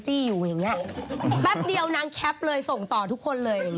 พี่หนิงมาบ่อยนะคะชอบเห็นมั้ยดูมีสาระหน่อย